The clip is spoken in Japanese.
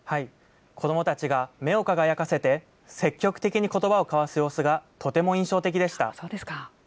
子どもたちが目を輝かせて、積極的にことばを交わす様子がとても印象的でした。